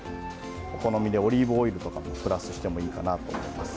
お好みでオリーブオイルとかもプラスしてもいいかなと思います。